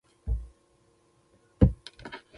په کندهار کې سخت جنګونه و او هره ورځ چاودنې کېدلې.